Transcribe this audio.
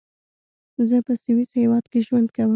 زۀ پۀ سويس هېواد کې ژوند کوم.